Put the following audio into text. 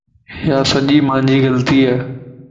ايا سڄي مانجي غلطيَ